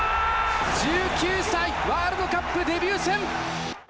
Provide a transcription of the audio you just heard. １９歳ワールドカップデビュー戦！